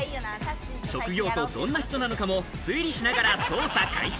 職業とどんな人なのかも推理しながら捜査開始！